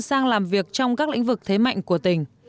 sang làm việc trong các lĩnh vực thế mạnh của tỉnh